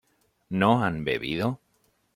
¿no han bebido?